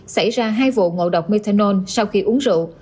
xảy ra hai vụ ngộ độc methanol sau khi uống rượu